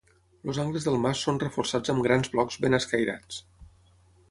Els angles del mas són reforçats amb grans blocs ben escairats.